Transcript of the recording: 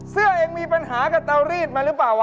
เสื้อเองมีปัญหากับเตารีดมาหรือเปล่าวะ